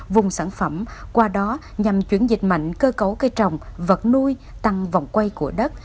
vùng sản phẩm qua đó nhằm chuyển dịch mạnh cơ cấu cây trồng vật nuôi tăng vòng quay của đất